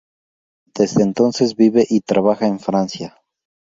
Desde entonces vive y trabaja en Francia.